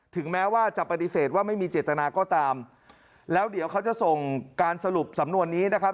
ถึงแม้ว่าจะปฏิเสธว่าไม่มีเจตนาก็ตามแล้วเดี๋ยวเขาจะส่งการสรุปสำนวนนี้นะครับ